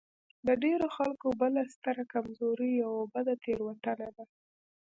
د ډېرو خلکو بله ستره کمزوري يوه بده تېروتنه ده.